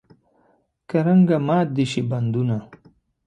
کرنګه مات دې شي بندونه.